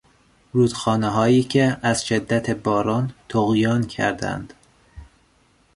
رودخانههایی که از شدت باران طغیان کردهاند